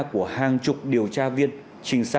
của hàng chục điều tra viên